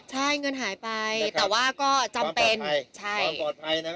ใช่เงินหายไปแต่ว่าก็จำเป็น